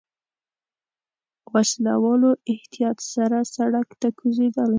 وسله والو احتياط سره سړک ته کوزېدل.